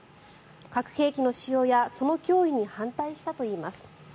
核兵器の使用やその脅威に反対したといいます。